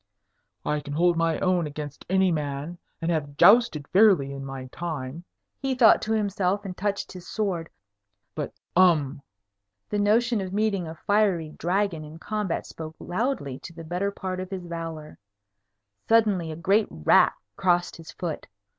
"I can hold my own against any man, and have jousted fairly in my time," he thought to himself, and touched his sword. "But um!" The notion of meeting a fiery dragon in combat spoke loudly to the better part of his valour. Suddenly a great rat crossed his foot.